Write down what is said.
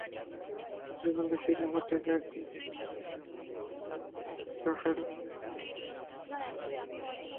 মুন্সিগঞ্জের শ্রীনগর থেকে deep fridge কিনতে মঙ্গলবার স্টেডিয়াম মার্কেটে আসেন ব্যবসায়ী রফিকুল ইসলাম।